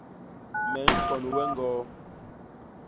Me ñkon we ñgoo.